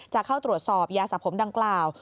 จะเข้าตรวจสอบยาสะผมดังกล่าว